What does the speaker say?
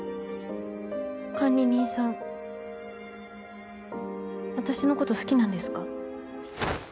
管理人さん私の事好きなんですか？